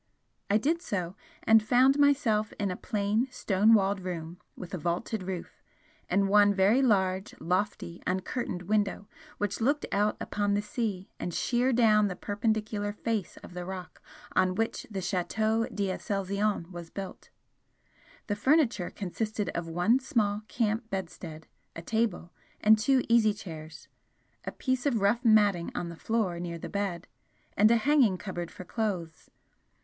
I did so, and found myself in a plain stone walled room with a vaulted roof, and one very large, lofty, uncurtained window which looked out upon the sea and sheer down the perpendicular face of the rock on which the Chateau d'Aselzion was built. The furniture consisted of one small camp bedstead, a table, and two easy chairs, a piece of rough matting on the floor near the bed, and a hanging cupboard for clothes.